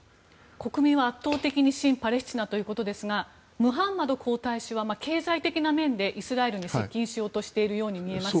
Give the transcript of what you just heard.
国民は圧倒的に親パレスチナということですがムハンマド皇太子は経済的な面でイスラエルに接近しているように見えます。